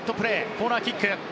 コーナーキック。